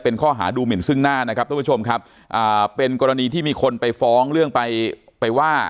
เป็นข้อหาดูหมินซึ่งหน้านะครับทุกผู้ชมครับอ่าเป็นกรณีที่มีคนไปฟ้องเรื่องไปไปว่า